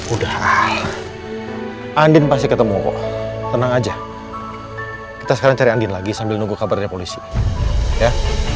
udah andin pasti ketemu kok tenang aja kita sekarang cari andin lagi sambil nunggu kabarnya polisi ya